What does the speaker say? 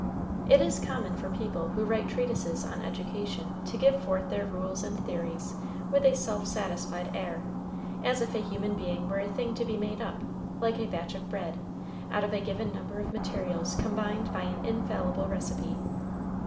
It is common for people who write treatises on education to give forth their rules and theories with a self satisfied air, as if a human being were a thing to be made up, like a batch of bread, out of a given number of materials combined by an infallible recipe.